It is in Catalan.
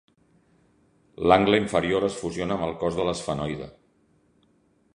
L'angle inferior es fusiona amb el cos de l'esfenoide.